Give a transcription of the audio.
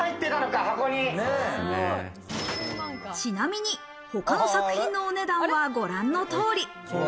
ちなみに他の作品のお値段はご覧の通り。